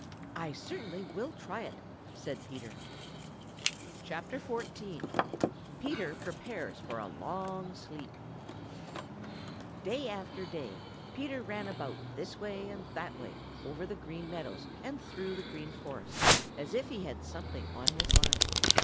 "I certainly will try it," said Peter. XXIV. PETER PREPARES FOR A LONG SLEEP |DAY after day Peter Rabbit ran about this way and that over the Green Meadows and through the Green Forest, as if he had something on his mind.